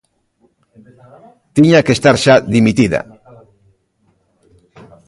Tiña que estar xa dimitida.